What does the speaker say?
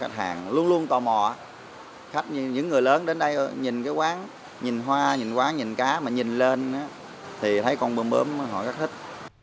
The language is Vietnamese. khách hàng luôn luôn tò mò khách như những người lớn đến đây nhìn cái quán nhìn hoa nhìn quán nhìn cá mà nhìn lên thì thấy con bướm họ rất thích